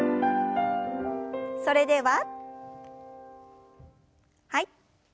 それでははい。